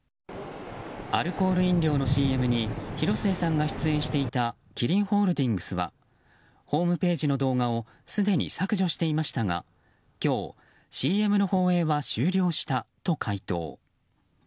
アルコール飲料のＣＭに広末さんが出演していたキリンホールディングスはホームページの動画をすでに削除していましたが今日、ＣＭの放映は終了したと回答。